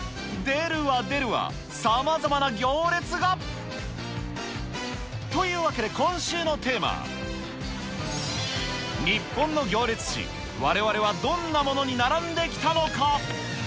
出るわ出るわ、さまざまな行列が。というわけで、今週のテーマ、日本の行列史、われわれはどんなものに並んできたのか。